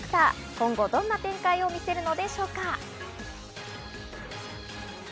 今後どんな展開を見せるのでしょうか。